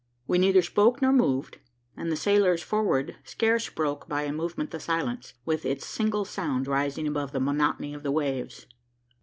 We neither spoke nor moved, and the sailors forward scarce broke by a movement the silence, with its single sound rising above the monotony of the waves.